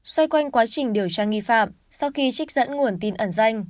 xoay quanh quá trình điều tra nghi phạm sau khi trích dẫn nguồn tin ẩn danh